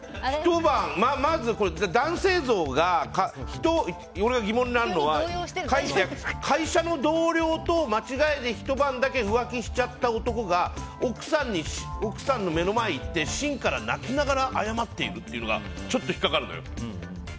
まず男性像が、俺が疑問なのは会社の同僚と間違えてひと晩だけ浮気しちゃった男が奥さんの目の前に行って芯から泣きながら謝っているっていうのがちょっと引っかかるのよ。